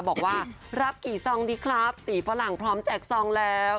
บอกว่ารับกี่ส่องดีครับตีฟาวหลังพร้อมแจกส่องแล้ว